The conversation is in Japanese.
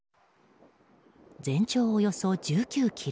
全長およそ１９ｋｍ。